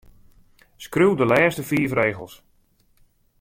Skriuw de lêste fiif rigels.